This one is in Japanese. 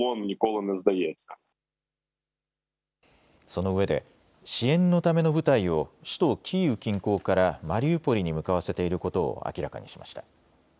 そのうえで支援のための部隊を首都キーウ近郊からマリウポリに向かわせていることを明らかにしました。